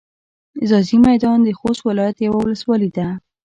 ځاځي میدان د خوست ولایت یوه ولسوالي ده.